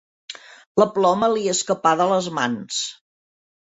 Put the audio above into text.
La ploma li escapà de les mans.